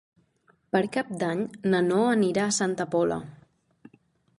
Per Cap d'Any na Noa anirà a Santa Pola.